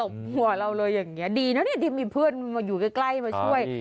มีเพื่อนอยู่ใกล้ไปช่วย